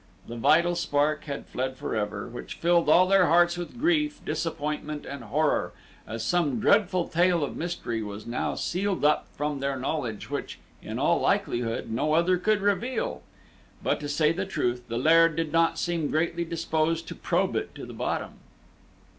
The vital spark had fled forever, which filled all their hearts with grief, disappointment, and horror, as some dreadful tale of mystery was now sealed up from their knowledge which, in all likelihood, no other could reveal. But to say the truth, the Laird did not seem greatly disposed to probe it to the bottom.